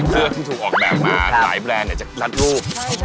เสื้อที่ถูกออกแบบมาหลายแบรนด์จะรัดรูป